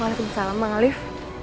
waalaikumsalam bang alief